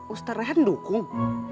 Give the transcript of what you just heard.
ustadz rehan dukung